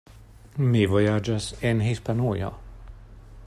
Mi vojaĝas en Hispanujo.